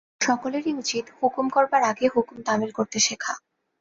সকলেরই উচিত, হুকুম করবার আগে হুকুম তামিল করতে শেখা।